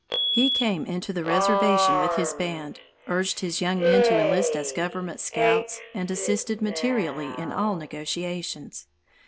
He came into the reservation with his band, urged his young men to enlist as government scouts, and assisted materially in all negotiations.